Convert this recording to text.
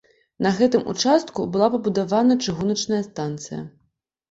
На гэтым участку была пабудавана чыгуначная станцыя.